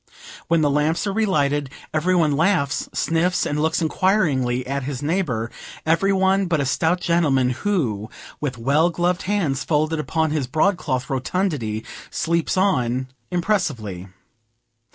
When the lamps are relighted, every one laughs, sniffs, and looks inquiringly at his neighbor every one but a stout gentleman, who, with well gloved hands folded upon his broad cloth rotundity, sleeps on impressively.